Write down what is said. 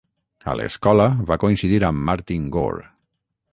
A l'escola va coincidir amb Martin Gore.